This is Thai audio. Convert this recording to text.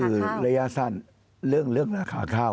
คือระยะสั้นเรื่องราคาข้าว